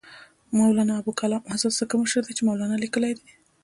مولنا ابوالکلام آزاد ځکه مشر دی چې مولنا لیکلی دی.